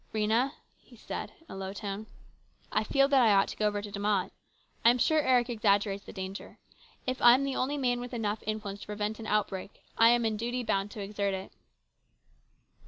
" Rhena," he said in a low tone, " I feel that I ought to go over to De Mott. I am sure Eric exaggerates the danger. If I am the only man with enough influence to prevent an outbreak, I am in duty bound to exert it."